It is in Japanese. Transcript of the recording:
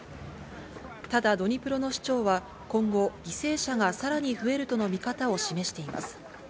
ただドニプロの市長は今後、犠牲者がさらに増えるとの見方を示しています。